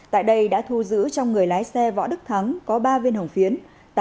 tại đây đã thu giữ trong người lái xe võ đức thắng có ba viên hồng phiến